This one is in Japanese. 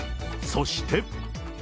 そして。